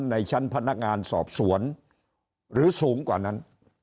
ในชั้นพนักงานสอบสวนหรือสูงกว่านั้น